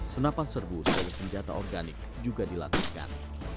senapan serbu sebagai senjata organik juga dilatihkan